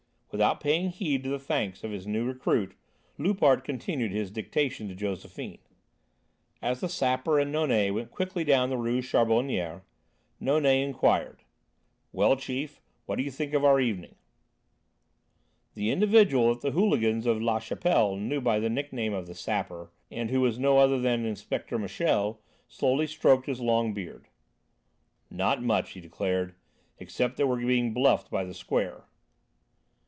Without paying heed to the thanks of his new recruit, Loupart continued his dictation to Josephine. As the Sapper and Nonet went quickly down the Rue Charbonnière, Nonet inquired: "Well, chief, what do you think of our evening?" The individual that the hooligans of La Chapelle knew by the nickname of the Sapper, and who was no other than Inspector Michel, slowly stroked his long beard: "Not much," he declared, "except that we've been bluffed by the Square."